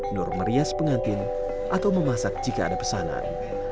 nur merias pengantin atau memasak jika ada pesanan